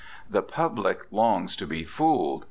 The public longs to be fooled.